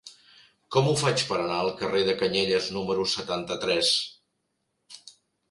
Com ho faig per anar al carrer de Canyelles número setanta-tres?